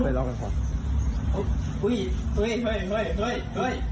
ทำอย่างนี้พูดกันไงครับ